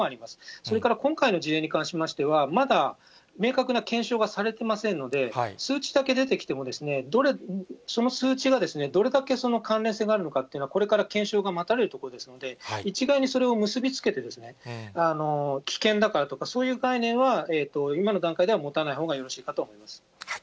それから今回の事例に関しましては、まだ明確な検証がされてませんので、数値だけ出てきても、その数値がどれだけ関連性があるのかっていうのは、これから検証が待たれるところですので、一概にそれを結び付けて、危険だからとか、そういう概念は今の段階では持たないほうがよろしいかと思います。